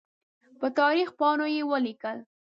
په تاریخ پاڼو یې ولیکل.